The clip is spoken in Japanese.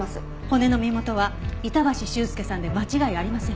骨の身元は板橋秀介さんで間違いありません。